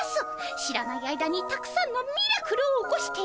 知らない間にたくさんのミラクルを起こしている。